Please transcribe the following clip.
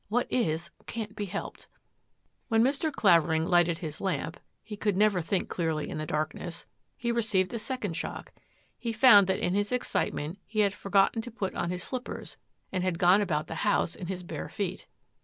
What is, can't be helped." When Mr. Clavering lighted his lamp — he conld never think clearly in the darkness — he re ceived a second shock. He found that in his excitement he had forgotten to put on his slippers and had gone about the house in his bare feet.